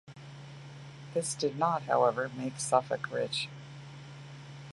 This did not, however, make Suffolk rich.